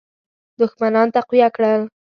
دښمنان تقویه کړل.